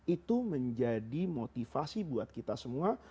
itu menjadi motivasi buat kita semua